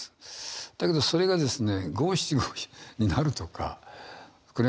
だけどそれがですね